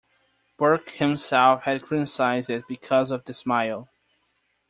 Burke himself had criticized it because of the smile.